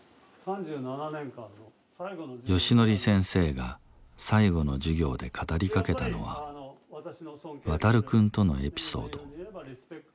ヨシノリ先生が最後の授業で語りかけたのはワタル君とのエピソード。